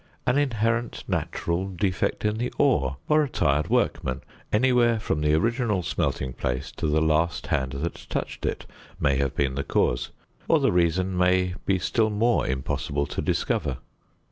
An inherent natural defect in the ore, or a tired workman anywhere from the original smelting place to the last hand that touched it, may have been the cause; or, the reason may be still more impossible to discover.